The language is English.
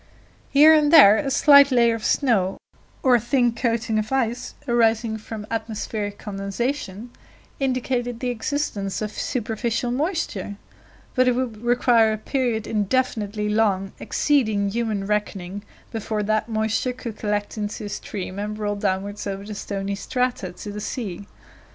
Here and there a slight layer of snow, or a thin coating of ice arising from atmospheric condensation indicated the existence of superficial moisture, but it would require a period indefinitely long, exceeding human reckoning, before that moisture could collect into a stream and roll downwards over the stony strata to the sea.